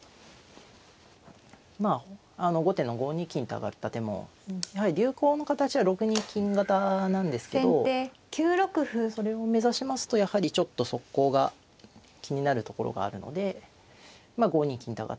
まああの後手の５二金と上がった手もやはり流行の形は６二金型なんですけどそれを目指しますとやはりちょっと速攻が気になるところがあるのでまあ５二金と上がって